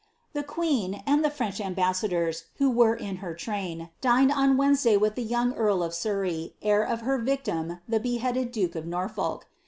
The queen, and the French ambassadors who were in her train, (lined on Wednesday with the young earl of Surrey, heir of her victim the beheaded duke of Norfolk.